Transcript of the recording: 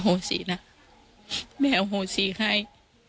อโหงศินะแม่อโหงศิใคร